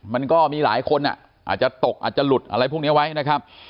มันก็มีหลายคนอาจจะตกอาจจะหลุดอะไรพวกนี้ไว้นะครับ